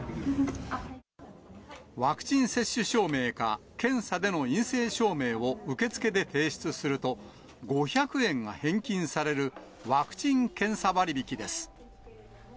ワクチン接種証明か検査での陰性証明を受付で提出すると、５００円が返金される、ワクチン・検査割引です。